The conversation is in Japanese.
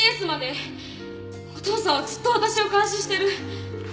お父さんはずっと私を監視してる。